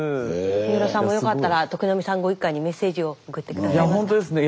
三浦さんもよかったら徳並さんご一家にメッセージを送って下さいますか？